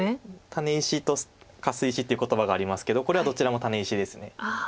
タネ石とカス石っていう言葉がありますけどこれはどちらもタネ石です。